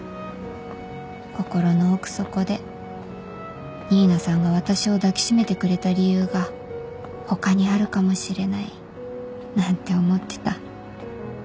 心の奥底で新名さんが私を抱き締めてくれた理由が他にあるかもしれないなんて思ってた